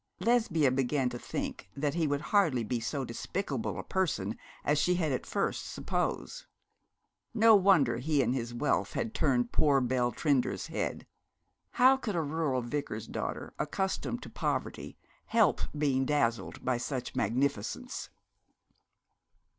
Lesbia began to think that he would hardly be so despicable a person as she had at first supposed. No wonder he and his wealth had turned poor Belle Trinder's head. How could a rural vicar's daughter, accustomed to poverty, help being dazzled by such magnificence?